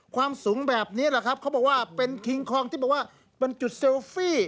ความสูงแบบนี้แหละครับเขาบอกว่าเป็นคิงคลองที่บอกว่าเป็นจุดเซลฟี่